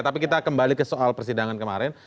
tapi kita kembali ke soal persidangan kemarin